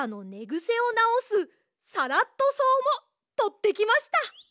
ぐせをなおすサラットそうもとってきました。